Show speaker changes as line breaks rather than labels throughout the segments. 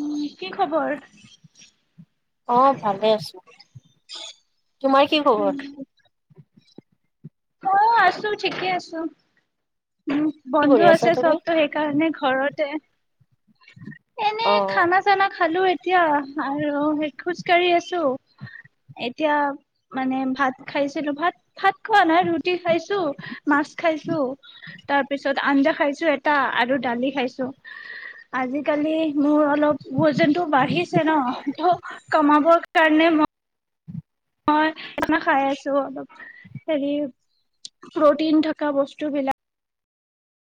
উম কি খবৰ?
আহ ভালে আছো। তোমাৰ কি খবৰ?
উম, অ আছো ঠিকে আছো। উম
কি
বন্ধু
কৰি আছা
আছে
তুমি
চবতো সেইকাৰণে ঘৰতে
অ
এনেই খানা চানা খালো এতি এতিয়া আৰুে খোজ কাঢ়ি আছো এতিয়া মানে ভাত খাইছিলো ভাত ভাত খোৱা নাই ৰুটি খাইছো মাছ খাইছো তাৰ পিছত আঞ্জা খাইছো এটা আৰু দালি খাইছো আজিকালি মোৰত অলপ ভোজনটো বাঢ়িছে ন তু কমাব তাৰ কাৰণে মই মই স খাই আছো অলপ হেৰি প্ৰটিন থকা বস্তু বিলাক।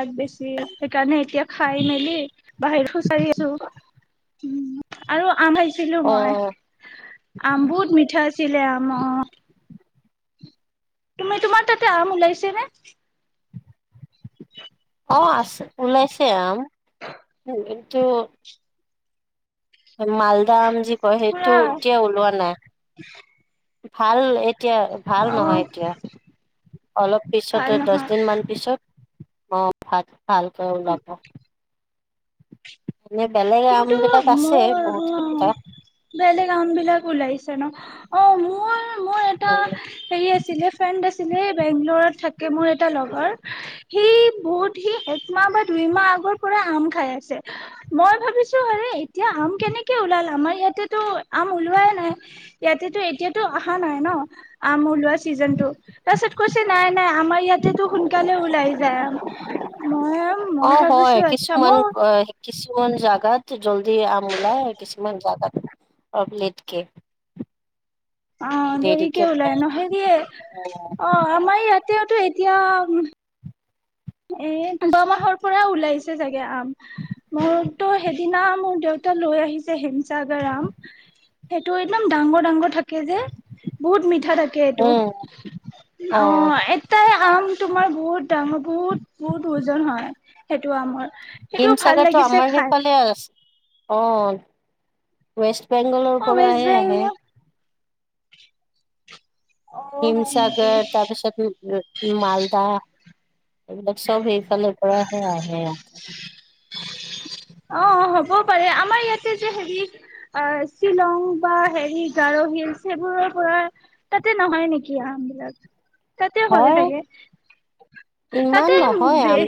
তাত বেছি সেইকাৰণে এতিয়া খাই মেলি বাহিৰত খুজকাঢ়ি আছো উ আৰু আমাৰ ছিলো
অ
মই আম বহুত মিঠা আছিলে আম অ। তুমি তোমাৰ তাতে আম ওলাইছেনে?
অ আছে ওলাইছে। চে আম [unintelligible] মালদাম যি হয় সেইটো
পুৰা
এতিয়া ওলোৱা নাই। ভাল এই এতিয়া ভাল
অ
নহয় এতিয়া অলপ পিছত
ভাল
দচ
নহয়
দিন মান পিছত অ ভাল ভালকৈ ওলব। আম
কিন্তু
বিলাক আছে
মোৰ
বহুত কেইটা
অ বেলেগ আম বিলাক ওলাই ন অ মোৰ মোৰ এটা হেৰি আছিলে ফ্ৰেণ্ড আছিলে বেংগলৰত থাক মোৰ এটা লগৰ সি বহুত সি একমাহ বা দুই মাহ আগৰ পৰা আম খাই আছে। মই ভাবিছো হৰে এতিয়া আম কেনেকে ওলাল আমাৰ ইয়াতেতো আম ওলোৱাই নাই ইয়াতেতো এতিয়াতো অহা নাই ন আম ওলোৱা ছিজন টো। তাৰপিছত কৈছে নাই নাই আমাৰ ইয়াতেতো সোনকালে ওলাই যায় মইম
অ
মই
হয়
ভাবিছো আচ্ছা
কিছুমান
মই
অ কিছুমান জাগাত জল্দি আম ওলাই কিছুমান জাগাত অলপ লেটকে।
অ দেৰিকে ওলাই নহ [unintelligible]
উম
অ আমাৰ ইয়াতেওতো এতিয়া ম এ যোৱামাহৰ পৰা ওলাইছে চাগে আম মোৰতো সেইদিনা মোৰ দেউতা লৈ আহিছে হেমচাগৰ আম সেইটো একদম ডাঙৰ ডাঙৰ থাকে যে। বহুত মিঠা থাকে এইটো
উম
অ এটাই আম তোমাৰ বহুত ডাঙৰ বহুত বহুত ওজন হয় সেইটো আমৰ। সেইটো ভাল
হিমসাগৰটো
লাগিছে
আমাৰ
খাই
সেইফালে আছে অ ৱেষ্ট বেংগলোৰ
অ
পৰা
ৱেষ্ট
হে আহে।
বেংগল অ হয় নেকি
হিমসাগৰ তাৰপিছত মালদা এইবিলাক চব সেইফালৰ পৰাহে আহে [unintelligible]
অঁ হ'ব পাৰে আমাৰ ইয়াতে যে হেৰি আহ শ্বিলং বা হেৰি গাৰহিল সেইবোৰৰ পৰা তাতে নহয় নেকি আম বিলাক তাতে
হয়
চাগে
ইমান
তাতে
নহয়
বে
আম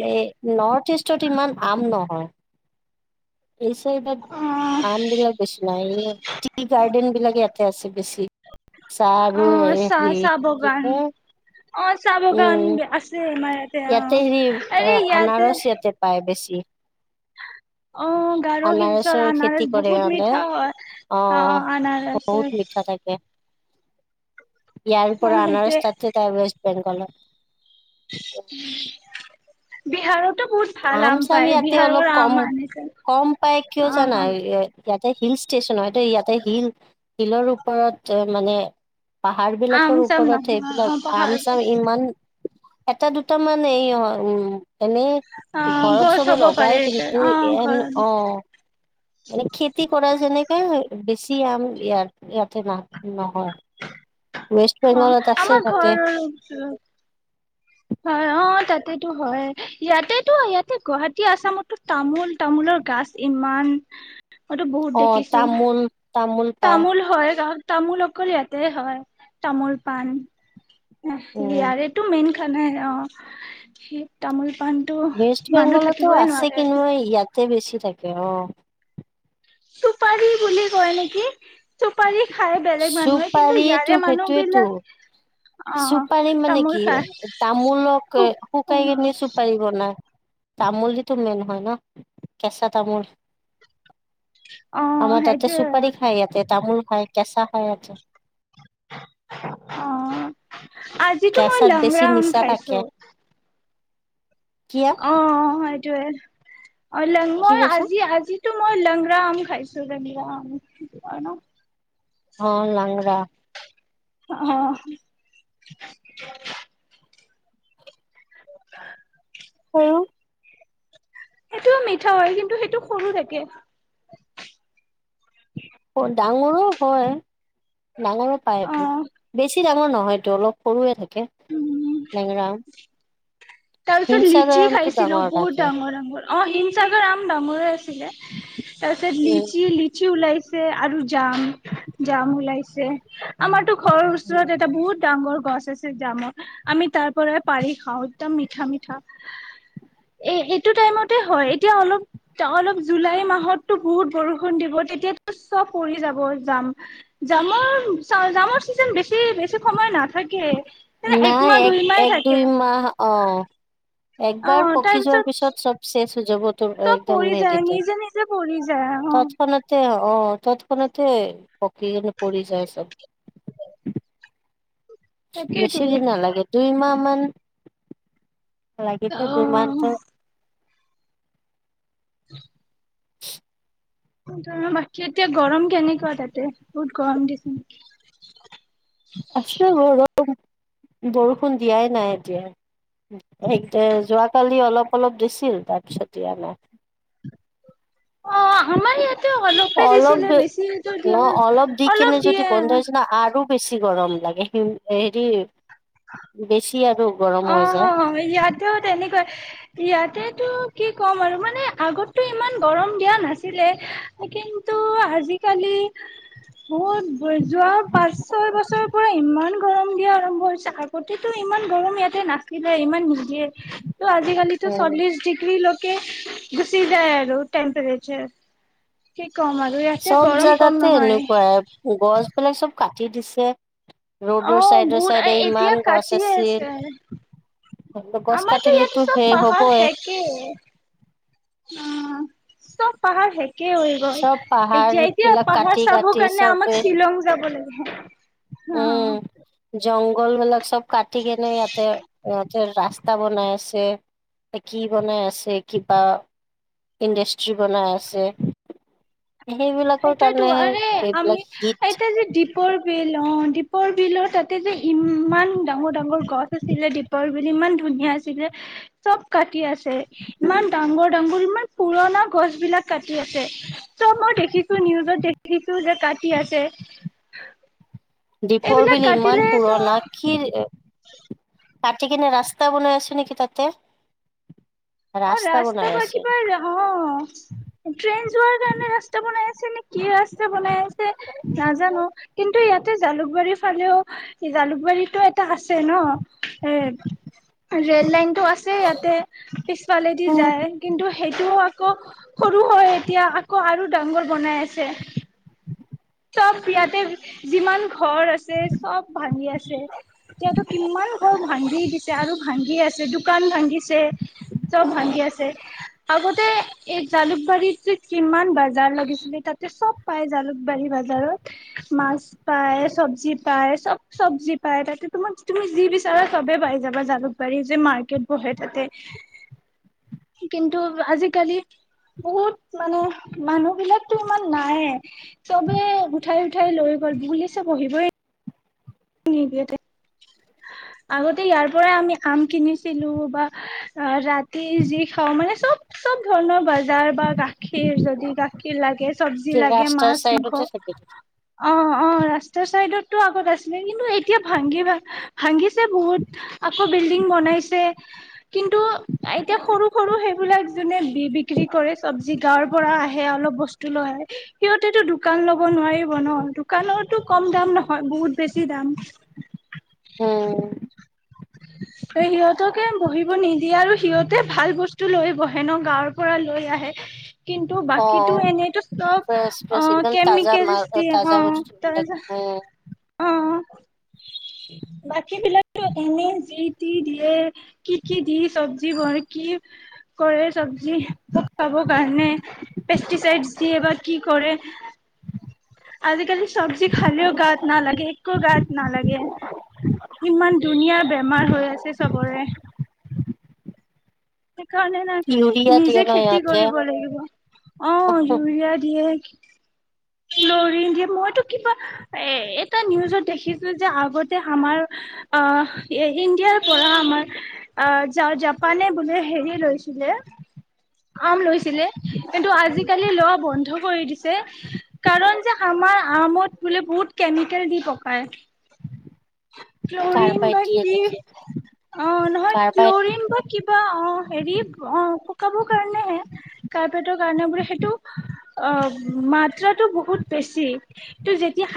নৰ্থ ইষ্ট ইমান আম নহয় এই চ এইবাৰ
অ',
আম বিলাক বেছু নাই এই টি গাৰ্ডেন বিলাক ত আছিলি বেছি চাহ আৰু
অ',
হেৰি
চাহ চাহ
কি
বগান
ক
অ', চাহ বগান
উম
আছে আমাৰ
ইয়াতে
অ',
হেৰি
আৰে ইয়াতে
আনাৰস ইয়াতে পায় বেছি।
অ', গাৰো হিলছৰ
আনাৰসৰ
আনাৰস
খেতি কৰে
বহুত
মানে
মিঠা হয় অ',
অঁ
আনাৰস অ',
বহুত মিঠা থাকে ইয়াৰ পৰা আনাৰস
সেইটোয়ে
তাত তাই ৱেষ্ট বেংগলত
বিহাৰত
আম চাম ইয়াতে অলপ কম
আনিছে
কম পাই কিয় জানা
অ',
ইয়াতে হিলচ ষ্টেচন হয়তটো ইয়াতে হিল হিলৰ ওপৰত মানে। পাহাৰ
আম
বিলাকৰ
চাম
ওপৰত
নহয়
সেইবিলাক
অ
আম
পাহাৰত
চাম ইমান এটা দুটা মান এই উম এনেই
অ
ঘৰত
গছ
চবে
হ'ব
লগাই
পাৰে
কিন্তু
অ
এন
ঘৰত
অঁ এনে কি কৰা যেনেকে বেছি ইয়াত ইয়াতে ন নহয়। ৱেষ্ট
অঁ
বেংগলত আছে
আমাৰ
তাতে
ঘৰ হয় অঁ তাতেতো হয় ইয়াতেতো ইয়াতে গুৱাহাটী আসামতো তামোল তামোলৰ গছ ইমান
অঁ তামোল তামোল পায়
তামুল হয় তাত তামোল অকল ইয়াতে হয় তামোল পাণ অঁহ
উম
ইয়াৰেতো আৰু এইটো মেইন এইফালে অঁ তামোল পাণটো
ৱেষ্ট
মানুহ
বেংগলতো
থাকিবই
আছে
নোৱাৰে
কি নু
আৰু
ইয়াত ইয়াতে বেছি থাকে অঁ
চুপাৰী বুলি কয় নেকি চুপাৰী খাই বেলেগ মানুহে কিন্তু
চুপাৰীটো
ইয়াৰে মানুহবিলাক
চুপাৰি মানে কি তামোলক
খুব অ
শুকাই কেনে চুপাৰি বনাই তামোল যিতো মেইন হয় ন কেঁচা তামোল
অ
আমাৰ তাতে
সেইটোয়ে
চুপাৰি খাই ইয়াতে তামোল হয় কেচা হয় এয়াতে
অঁ আজিতো মই
কেঁচাত বেছি
লংৰা আম
নিচা থাকে
খাইছো
কি আ
ত ৱে অ লং মই আজি আজিতো মই লংৰা আম খাইছো লেংৰা আম ন
অ লাংৰা
অহ [inaudible]
হৰো
সেইটোও মিঠা হয় কিন্তু সেইটো সৰু থাকে
ডাঙৰো হয় ডাঙৰ ও পায়
অ
বেছি ডাঙৰ মোৰ নহয় টো অলপ সৰুয়ে থাকে
উম
লেংৰা আম
তাৰ পিছত লিচি খাইছিলো বহুত
থাকে
ডাঙৰ ডাঙৰ অ হিম চাগৰ আম ডাঙৰে আছে তাৰপিছত লিচি
উম
লিচি ওলাইছিল চে আৰু যাম যাম ওলাইছে আমাতো ঘৰৰ ওচৰত এটা বহুত ডাঙৰ গছ জামৰ আমি তাৰ পৰাই পাৰি খাওঁ একদম মিঠা মিঠা এ এইটো টাইমতে হয় এতিয়া অলপ অলপ জুলাই মাহতটো বহুত বৰষুণ দিব তেতিয়াতো চব পৰি যাব জাম জামৰ চ জামৰ চিজন বেছি বেছি সময় নাথাকে
নাই
একমাহ
এক
দুইমাহ
এক
থাকে
দুই মাহ অ
অ
একবাৰ
তাৰ
পকি যোৱাৰ পিছত চব চেচ হৈ যাব তোৰ
চব
একদম
পৰি যায়
হেৰিতে
নিজে নিজে পৰি যায় আহ
তৎক্ষণাতে অ তৎক্ষণাতে পকী পৰি যায় চব
তাকেইতো
বেছি দিন নালাগে দুই মাহ মান [inaudible] লাগিতে দুমাহ
অ
টো
[inaudible]
[inaudible]
ধ বাকী এতিয়া গৰম কেনেকুৱা তাতে বহুত গৰম দিছে নেকি?
আছো এনে ৰ'দত। বৰষুণ দিয়াই নাই এতিয়া। এতিয়া যোৱাকালি অলপ অলপ দিছিল তাৰপিছত দিয়া নাই।
অঁ! আমাৰ ইয়াতে অলপে
অলপ
দিছিলে,
দি
বেছি
ন
দিয়া নাই
দি কেনে
অলপ
যদি
দিয়ে।
বন্ধ হৈছে না আৰু বেছি গৰম লাগে, হেৰি বেছি! আৰু গৰম হৈ
অঁ! ইয়াততো তেনেকুৱাই। ইয়াতেতো কি ক'ম আৰু মানে আগততো ইমান গৰম দিয়া নাছিলে। কিন্তু, আজিকালি বহুত! যোৱা পাঁচ ছয় বছৰৰ পৰা ইমান গৰম দিয়া আৰম্ভ হৈছে, আগতেতো ইমান গৰম ইয়াত সেই নাছিলে ইমান দিয়ে! তো আজিকালিটো
যায়
চল্লিশ ডিগ্ৰীলৈ কি? গুচি যায় আৰু টেম্প্ৰেচাৰ।
চব জাগাতে এনেকুৱাই গছ বিলাক চব কাটি দিছে।
অ!
ৰোডৰ চাইডে
বহুত
চাইডে
এতিয়া
ইমান গছ
কাটিয়ে
আছিল
আছে।
গছ
আমাৰতো
কাটিলেতো
ইয়াতেটো চব
সেই
পাহাৰ
হ'বই।
শেষে। উম! চব পাহাৰ শেষ। কি হৈ গ'ল?
চব পাহাৰ
এতিয়া, এতিয়া
বিলাক
পাহাৰ
কাটি
চাব
কাটি
কাৰণে
চবে
আমাক শ্বিলং যাব লাগে।
উম।
অঁ!
জংঘল বিলাক চব! কাটি কেনে ইয়াতে ৰাস্তা বনাই আছে। কি বনাই আছে? কিবা ইণ্ডাষ্ট্ৰী বনাই আছে। সেইবিলাকৰ
সেইটোৱেটো।
কাৰণেহে
আৰে
এইবিলাক
আমি
হিট
এতিয়া যে দ্বীপৰ বিল অ' দ্বীপৰ বিলৰ তাতে যে ইমান ডাঙৰ, ডাঙৰ গছ আছিলে। দ্বীপৰ বিল ইমান ধুনীয়া আছিলে! চব কাটি আছে। ইমান ডাঙৰ, ডাঙৰ ইমান পুৰণা গছ বিলাক কাটি আছে চব মই দেখি নিউজত দেখিছো যে কাটি আছে?
দ্বীপৰ
এইবিলাক
বিল ইমান
কাটিলে
পুৰণা!
ত
কি
[inaudible]
কাটি কিনে ৰাস্তা বনাই আছে নেকি তাতে?
অ! ৰাস্তা
বনাই
বা
আছে।
কিবা অঁ! ট্ৰেইন যোৱাৰ কাৰণে ৰাস্তা বনাই আছে নে কি? কি ৰাস্তা বনাই আছে নাজানোঁ। কিন্তু ইয়াত এতিয়া জালুকবাৰীৰ ফালেও জালুকবাৰীটো এটা আছে ন? এ! ৰেল লাইনটো আছে ইয়াতে। সেইফালেদি যায়, কিন্তু সেইটোও আকৌ সৰু হৈ এতিয়া আকৌ আৰু ডাঙৰ বনাই আছে চব ইয়াতে যিমান ঘৰ আছে চব ভাঙি আছে ইয়াাতো কিমান ঘৰ ভাঙি দিছে আৰু ভাঙি আছে দোকান ভাগিছে চব ভাঙি আছে আগতে এই জালুকবাৰীত কিমান বা [unintelligible] লাগিছিলে তাতে চব পাই জালুক জালুকবাৰী বাজাৰত মাছ পায় চবজি পায় চব চবজি পায় তাতে তোমাক তুমি যি বিচাৰা চবে পাই যাবা জালুকবাৰী যে মাৰ্কেট বহে তাতে কিন্তু আজিকালি বহুত মানে মানুহ বিলাকতো ইমান নাইে চবে উঠাই উঠাই লৈ গল পুলিচে বহিবই নি দিয় আগতে ইয়াৰ পৰাই আমি আম কিনিছিলো বা ৰাতি যি খাওঁ মানে চব চব ধৰণৰ বজাৰ বা গাখীৰ যদি গাখীৰ লাগে চবজি লাগে
ৰাস্তাৰ
মাছ মাংস
চাইডতে থাকে
অ অ ৰাস্তাৰ চাইদত আগতে আছে কিন্তু এতিয়া ভাঙিব ভাঙিছে বহুত আকৌ বিল্ডিং বনাইছে কিন্তু এতিয়া সৰু সৰু সেইবিলাক যোনে বি বিক্ৰী কৰে চবজি গাঁৱৰ পৰা আহে অলপ বস্তু লয় সিহঁতেতটো দোকান ল'ব নোৱাৰিব ন দোকানতো কম দাম নহয় বহুত বেছি দাম
হম
সিহঁতকে বহিব নিদিয়ে আৰু সিহঁতে ভাল বস্তু লৈ বহে ন গাঁৱৰ পৰা লৈ আহে কিন্তু
অ
বাকী এনেইতো চব
ফ্ৰেছ
অ
ফ্ৰেছ একদম তাজা
কেমিকেলছ
মাল
দিয়ে
তাজা
অ
বস্তুবিলাক
তাৰছ
উম
অ বাকী বিলাকো এনে যি যি সে কি কি দি চব কি জানি কি কৰে চবজি চাব কাৰনে পেষ্টিচাইড দিয়ে বা কি কৰে আজিকালি চবজি খালে নালাগে একো গাত নালাগে ইমান ধুনীয়া বেমাৰ হৈ আছে চবৰে সেইকাৰণে নাই
ইউৰিয়া দিয়ে
নিজে
ন
খেতি
ইহঁতে
কৰিব লাগিব অ ইউৰিয়া দিয়ে দিয়ে মইতো কিবা এ এটা নিউজত দেখিছিলো যে আগতে আমাৰ আহ ইণ্ডিয়াৰ পৰা আমাৰ আহ জাপানে বোলে হেৰি লৈছিলে আম লৈছিলে [unintelligible] কিন্তু আজিকালি লোৱা বন্ধ কৰি দিছে কাৰণ যে আমাৰ আমত বোলে বহুত কেমিকেল দি পকায় ক্লৰিন
কাৰ্বাইড
বা
দিয়ে
কি
নেকি
অ নহয়
কাৰ্বাইড
ক্লৰিন বা কিবা অ হেৰি অ কাৰ্পেটৰ কাৰণে হে কাৰ্পেটৰ কাৰণে বোলে সেইটো অ মাত্ৰাটো বহুত বেছিটো যেতিয়া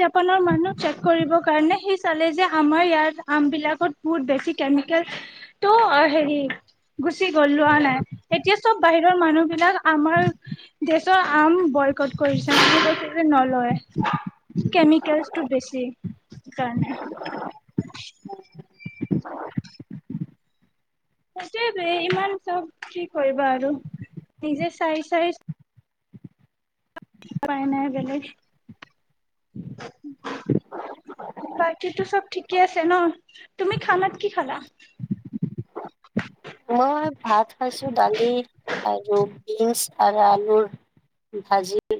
জাপানৰ মানুহ চেক কৰিব কাৰণে সি চালে যে আমাৰ ইয়াৰ আম বিলাকত বহুত বেছি কেমিকেল টো হেৰি গুচি গলোৱা নাই এতিয়া চব বাহিৰৰ মানুহ বিলাক আমাৰ দেশৰ আম বয়কত কৰিছে নলয় কেমিকেলছটো বেছি কাৰণে সেইটোৱ ইমান চব ঠিক কৰিবা আৰু নিজে চাই চাই পাই নাই বেলেগ, বাকীটো চব ঠিকে আছে ন তুমি খানাত কি খালা?
মই ভাত খাইছো দালি আৰু বিনছ আৰু আলুৰ ভাজি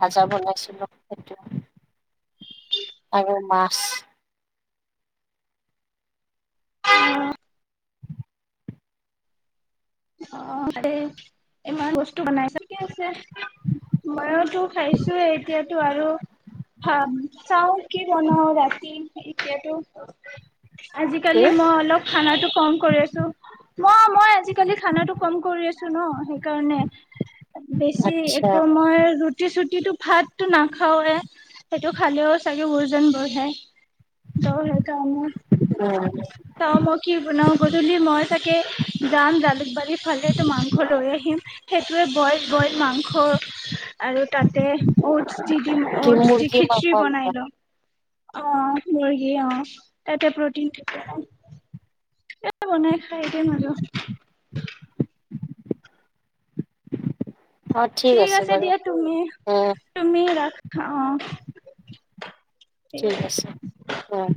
ভাজা বনাইছিলোঁ সেইটো। [unintelligible] [unintelligible]
[inaudible] অ ইমান বস্তু বনাইছ ঠিকেই আছে ময়ওতো খাইছোয়ে এতিয়াতো আৰু খাম চাও কি বনাও ৰাতি এতিয়াতো
কি
আজিকালি মই অলপ খানাটো কম কৰি আছো মই মই আজি আজিকালি খানাটো কম কৰি আছো ন সেইকাৰণে। বেছি
আচ্ছা
একো মই ৰুটি চুটি কিন্ত ভাতটো নাখাওৱে সেইটো খালেও চাগে ওজন বঢ়ে। দ সেইকাৰণে
উম
ত মই কি বনাও গধূলি মই চাগে যাম জালুকবাৰী ফালে তো মাংস লৈ আহিম বইল বইল মাংস আৰু তাতে অটছ দি দিম
কি
অটছ দি
মুৰ্গী মাংস
খিচৰি
আনিবা
বনাই লম। অ মুৰ্গী অ তাতে প্ৰটিন থাকে ন। এ বনাই খাই এতিয়া নাযাও।
[inaudible]
ঠিক আছে দিয়া তুমি
উম
তুমি ৰাখা অ।
ঠিক আছে অ।